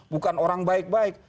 bukan orang baik baik